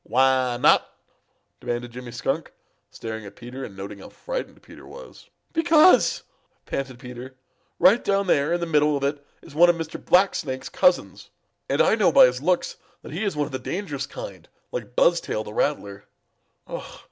"Why not?" demanded Jimmy Skunk, staring at Peter and noting how frightened Peter was. "Because," panted Peter, "right down there in the middle of it is one of Mr. Black Snake's cousins, and I know by his looks that he is one of the dangerous kind, like Buzztail the Rattler.